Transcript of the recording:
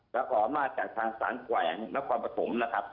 และกล่อมาจากทางสารแกว่งและความประสงค์นะครับ